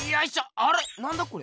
あれなんだこれ？